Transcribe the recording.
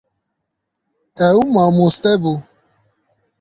Ew mamoste bû.